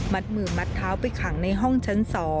มือมัดเท้าไปขังในห้องชั้น๒